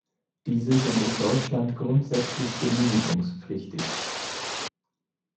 Diese sind in Deutschland grundsätzlich genehmigungspflichtig.